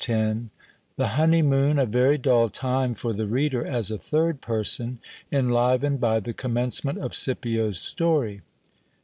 — The honey moon (a very dull time for the reader as a third person) en livened by the commencement of Scipids story.